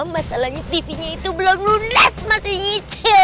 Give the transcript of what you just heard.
masalahnya tv nya itu belum lulus masih ngicil